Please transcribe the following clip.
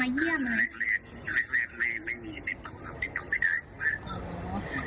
ไม่เครียดไม่เครียดไม่มีติดต่อไม่ติดต่อไม่ได้